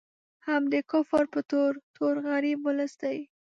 هم د کفر په تور، تور غریب ولس دی